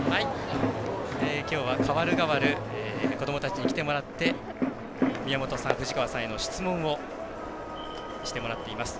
きょうは、かわるがわる子どもたちに来てもらって宮本さん、藤川さんへの質問をしてもらっています。